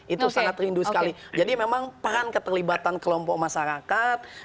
itu sangat rindu sekali jadi memang peran keterlibatan kelompok masyarakat